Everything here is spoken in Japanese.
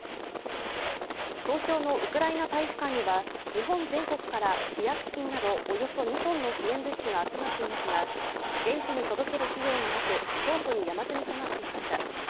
東京のウクライナ大使館には日本全国から医薬品などおよそ２ｔの支援物資が集まっていますが現地に届ける費用がなく、倉庫に山積みとなっていました。